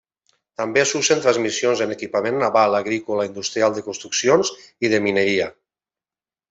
També s'usen transmissions en equipament naval, agrícola, industrial, de construccions i de mineria.